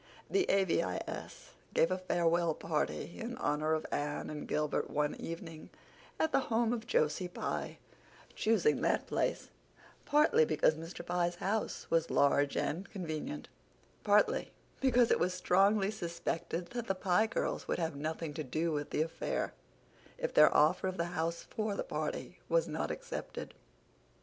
The A.V.I.S. gave a farewell party in honor of Anne and Gilbert one evening at the home of Josie Pye, choosing that place, partly because Mr. Pye's house was large and convenient, partly because it was strongly suspected that the Pye girls would have nothing to do with the affair if their offer of the house for the party was not accepted.